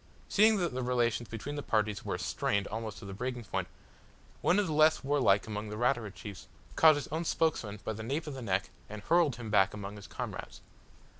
Seeing that the relations between the parties were "strained" almost to the breaking point, one of the less warlike among the Ratura chiefs caught his own spokesman by the nape of the neck, and hurled him back among his comrades.